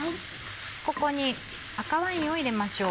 ここに赤ワインを入れましょう。